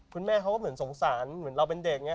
คุณแม่เขาก็เหมือนสงสารเหมือนเราเป็นเด็กอย่างนี้